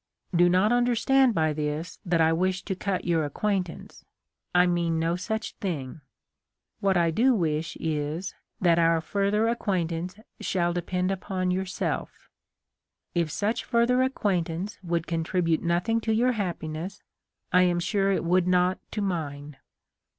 Do not understand by this that I wish to cut your acquaintance. I mean no such thing. What I do wish is that our further acquaintance shall depend upon yourself. If such further ac quaintance would contribute nothing to your happi ness, I am sure it would not to mine.